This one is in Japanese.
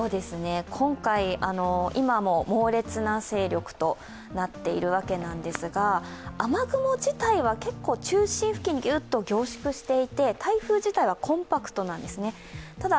今回、今も猛烈な勢力となっているわけなんですが、雨雲自体は結構中心付近にぎゅっと凝縮していて台風自体はコンパクトなんですね。